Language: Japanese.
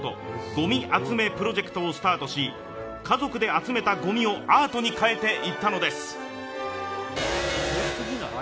ごみ集めプロジェクトをスタートし家族で集めたごみをアートに変えていったのです。